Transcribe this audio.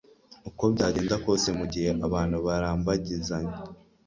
uko byagenda kose mu gihe abantu barambagizanya